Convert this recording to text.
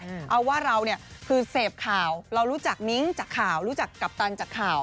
เอาว่าเราเนี่ยคือเสพข่าวเรารู้จักนิ้งจากข่าวรู้จักกัปตันจากข่าว